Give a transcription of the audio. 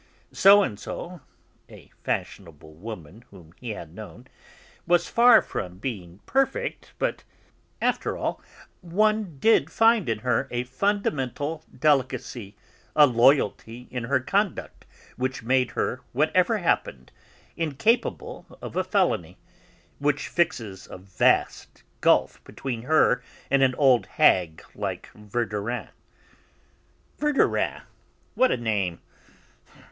So and so" (a fashionable woman whom he had known) "was far from being perfect, but, after all, one did find in her a fundamental delicacy, a loyalty in her conduct which made her, whatever happened, incapable of a felony, which fixes a vast gulf between her and an old hag like Verdurin. Verdurin! What a name!